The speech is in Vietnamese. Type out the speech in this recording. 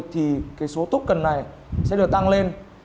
thì cái số token này sẽ được tăng lên